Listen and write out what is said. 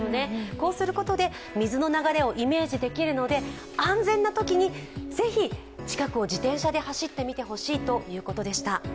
こうすることで、水の流れをイメージできるので安全なときにぜひ近くを自転車で走ってみてほしいということでした。